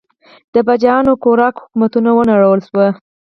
د پاچاهانو کورواک حکومتونه ونړول شول.